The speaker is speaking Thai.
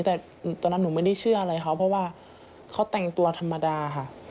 แต่ตอนนั้นหนูไม่ได้เชื่ออะไรเขาเพราะว่าเขาแต่งตัวธรรมดาค่ะ